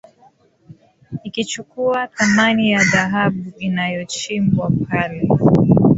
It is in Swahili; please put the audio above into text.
ikichukua thamani ya dhahabu inayochimbwa pale